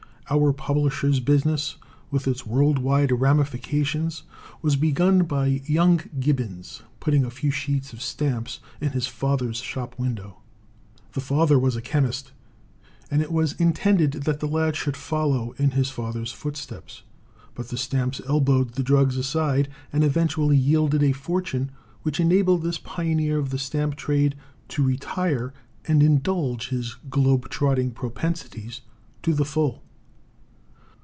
Our publishers' business, with its world wide ramifications, was begun by young Gibbons putting a few sheets of stamps in his father's shop window. The father was a chemist, and it was intended that the lad should follow in his father's footsteps; but the stamps elbowed the drugs aside, and eventually yielded a fortune which enabled this pioneer of the stamp trade to retire and indulge his globe trotting propensities to the full.